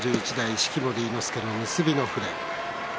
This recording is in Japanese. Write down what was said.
式守伊之助の結びの触れ。